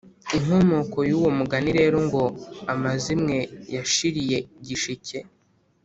inkomoko y'uwo mugani rero, ngo: « amazimwe yashiriye gishike,